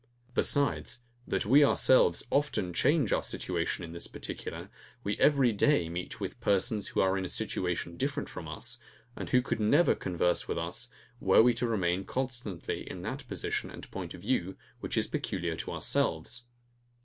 Besides, that we ourselves often change our situation in this particular, we every day meet with persons who are in a situation different from us, and who could never converse with us were we to remain constantly in that position and point of view, which is peculiar to ourselves.